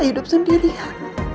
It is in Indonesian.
bisa hidup sendirian